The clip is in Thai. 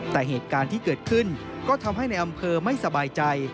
แต่เหตุการณ์ที่เกิดขึ้นก็ทำให้ในอำเภอไม่สบายใจ